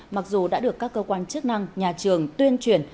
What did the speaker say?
mặc dù đã được các cơ quan chức năng nhà trường tuyên truyền